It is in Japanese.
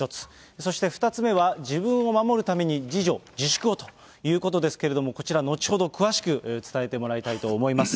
そして２つ目は自分を守るために自助・自粛をということですけれども、こちら、後ほど詳しく伝えてもらいたいと思います。